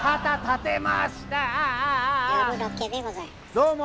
どうも！